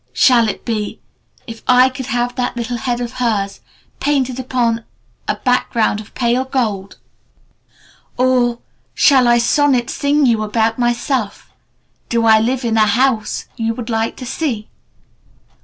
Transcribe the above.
Shall it be "'If I could have that little head of hers Painted upon a background of pale gold.' "or 'Shall I sonnet sing you about myself? Do I live in a house you would like to see?'